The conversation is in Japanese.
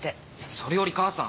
それより母さん！